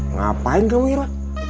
ngapain kamu ira